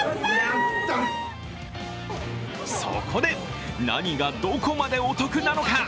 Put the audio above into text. そこで、何がどこまでお得なのか？